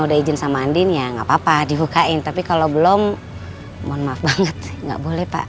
udah izin sama andin ya nggak apa apa dibukain tapi kalau belum mohon maaf banget nggak boleh pak